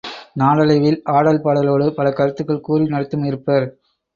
நாளடைவில் ஆடல் பாடலோடு பல கருத்துகள் கூறி நடித்தும் இருப்பர்.